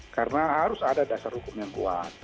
karena harus ada dasar hukum yang kuat